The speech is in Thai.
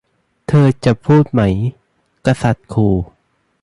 เธอจะพูดไหม กษัตริย์ขู่